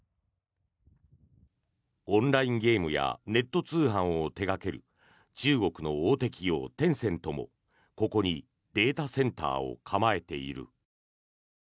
オンラインゲームやネット通販を手掛ける中国の大手企業、テンセントもここにデータセンターを構えている。